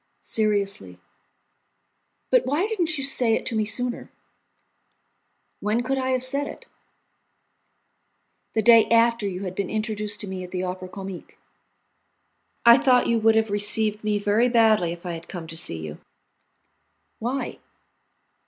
"Seriously." "But why didn't you say it to me sooner?" "When could I have said it?" "The day after you had been introduced to me at the Opera Comique." "I thought you would have received me very badly if I had come to see you." "Why?"